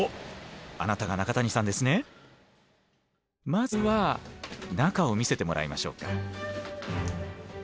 まずは中を見せてもらいましょうか。